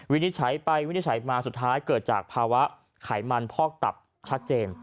วินิจฉัยไปวินิจฉัยมาสุดท้ายเกิดจากภาวะไขมันพอกตับชัดเจน